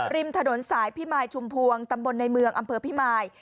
ริมถนนสายพิมายชุมพวงตำบลในเมืองอำเภอพิมาย